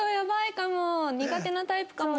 苦手なタイプかも。